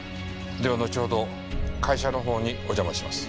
では後ほど会社の方にお邪魔します。